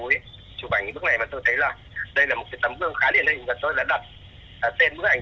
ấy chụp ảnh bức này và tôi thấy là đây là một cái tấm gương khá điện lĩnh và tôi đã đặt tên bức ảnh